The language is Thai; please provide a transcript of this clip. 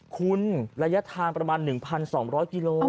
คุณระยะทางประมาณ๑๒๐๐กิโล